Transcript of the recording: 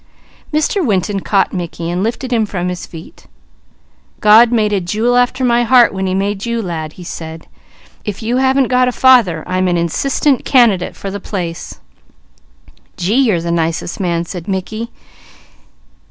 Mr. Winton caught Mickey, lifting him from his feet. "God made a jewel after my heart when he made you lad," he said. "If you haven't got a father, I'm a candidate for the place." "Gee, you're the nicest man!" said Mickey.